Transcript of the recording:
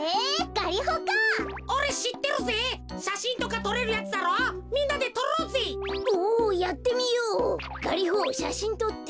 ガリホしゃしんとって。